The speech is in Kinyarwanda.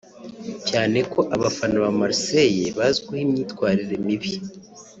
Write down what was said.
cyane ko abafana ba Marseille bazwiho imyitwarire mibi